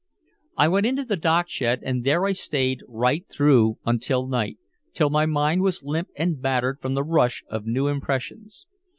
I went into the dockshed, and there I stayed right through until night, till my mind was limp and battered from the rush of new impressions.